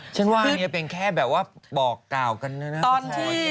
ฉันว่านี่เป็นแค่แบบว่าบอกกล่าวกันน่าแปลง